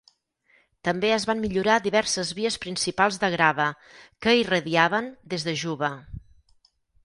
També es van millorar diverses vies principals de grava que irradiaven des de Juba.